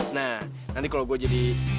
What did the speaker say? nah nanti kalau gue jadi